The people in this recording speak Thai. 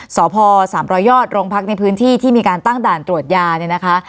สพสยลงพักในพื้นที่ที่ตั้งด่านตรวจยานะคะ